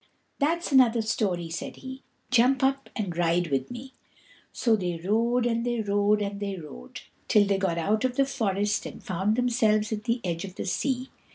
"That's another story," said he; "jump up and ride with me." So they rode and they rode and they rode, till they got out of the forest and found themselves at the edge of the sea.